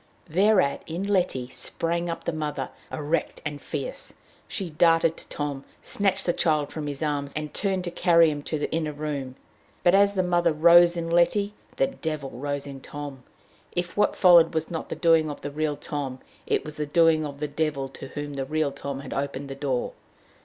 Thereat in Letty sprang up the mother, erect and fierce. She darted to Tom, snatched the child from his arms, and turned to carry him to the inner room. But, as the mother rose in Letty, the devil rose in Tom. If what followed was not the doing of the real Tom, it was the doing of the devil to whom the real Tom had opened the door.